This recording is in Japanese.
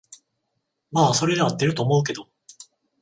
まあそれで合ってると思うけど